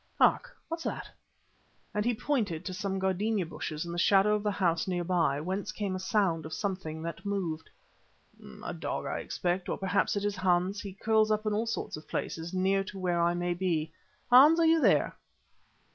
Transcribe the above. Hark! What's that?" and he pointed to some gardenia bushes in the shadow of the house near by, whence came a sound of something that moved. "A dog, I expect, or perhaps it is Hans. He curls up in all sorts of places near to where I may be. Hans, are you there?"